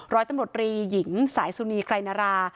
ร้อยตำรวจรีหญิงสายสุนีไกรนารา